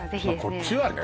こっちはね